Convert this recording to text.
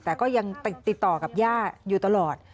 แต่ก็ยังติดต่อกับย่าอยู่ตลอด